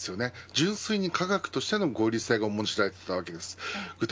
純粋に科学としての合理性が重んじられていました。